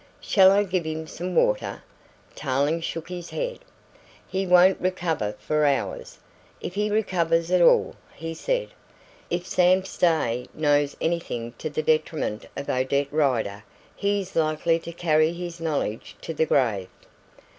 "Shall I give him some water?" Tarling shook his head. "He won't recover for hours, if he recovers at all," he said. "If Sam Stay knows anything to the detriment of Odette Rider, he is likely to carry his knowledge to the grave."